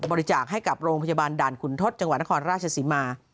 บริจาคให้กับโรงพยาบาลด่านขุนทศจังหวัดนครราชศรีมา